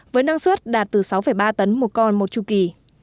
với năng suất đạt từ sáu ba tấn một con một chu kỳ